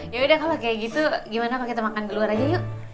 yaudah kalau kayak gitu gimana kalau kita makan di luar aja yuk